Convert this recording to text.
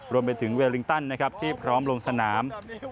รวมไปถึงเวลิงตันนะครับที่พร้อมลงสนาม